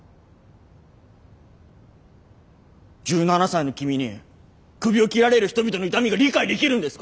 １７才の君にクビを切られる人々の痛みが理解できるんですか！